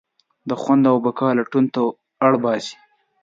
د خوند او بقا لټون ته اړباسي.